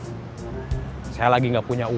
soalnya saya emang pengen terpengaruh